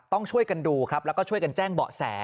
ต้องช่วยกันดูครับแล้วก็ช่วยกันแจ้งเบาะแส